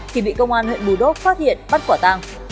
thì bị công an huyện bù đốc phát hiện bắt quả tăng